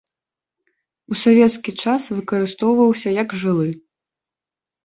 У савецкі час выкарыстоўваўся як жылы.